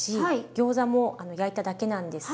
ギョーザも焼いただけなんですが。